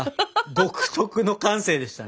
独特の感性でしたね。